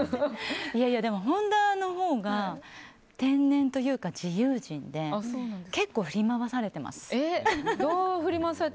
本田のほうが天然というか自由人で結構振り回されてます。